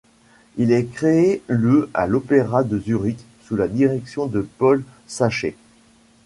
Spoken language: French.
Il est créé le à l'Opéra de Zurich sous la direction de Paul Sacher.